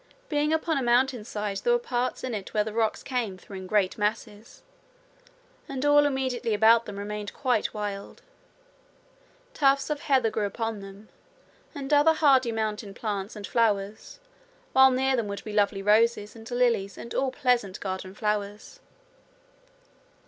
Being upon a Mountainside there were parts in it where the rocks came through in great masses, and all immediately about them remained quite wild. Tufts of heather grew upon them, and other hardy mountain plants and flowers, while near them would be lovely roses and lilies and all pleasant garden flowers.